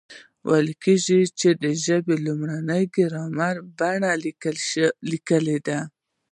ویل کېږي، چي د ژبي لومړی ګرامر پانني لیکلی دئ.